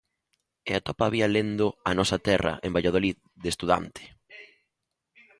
E atopa a vía lendo "A Nosa Terra" en Valladolid, de estudante.